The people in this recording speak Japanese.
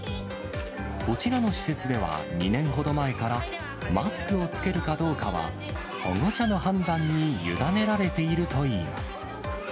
こちらの施設では２年ほど前から、マスクを着けるかどうかは、保護者の判断に委ねられているといいます。